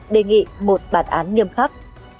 đề nghị một bản án nghiêm khắc